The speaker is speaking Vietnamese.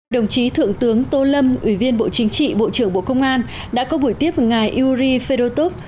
đồng chí thượng tướng tô lâm ủy viên bộ chính trị bộ trưởng bộ công an đã có buổi tiếp ngài yuri fedrotov